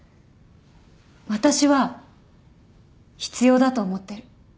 私は必要だと思ってる。